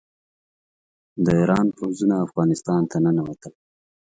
د ایران پوځونه افغانستان ته ننوتل.